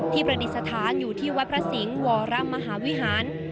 ประดิษฐานอยู่ที่วัดพระสิงห์วรมหาวิหาร